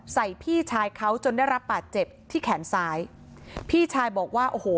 พี่ชายเขาจนได้รับบาดเจ็บที่แขนซ้ายพี่ชายบอกว่าโอ้โห